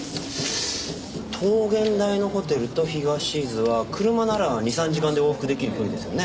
桃源台のホテルと東伊豆は車なら２３時間で往復出来る距離ですよね。